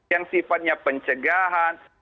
yang sifatnya pencegahan